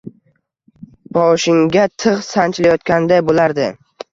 Boshingga tig‘ sanchilayotganday bo‘lardi.